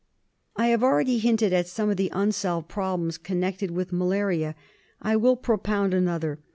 I have already hinted at some of the unsolved prob lems connected with malaria; I will propound another.